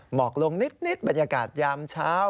หมอกลงนิดบรรยากาศยามเช้า